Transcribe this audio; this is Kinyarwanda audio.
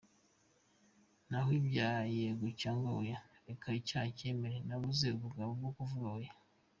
Naho ibya yego cyangwa oya, reka icyaha nkemere, nabuze ubugabo bwo kuvuga oya!!!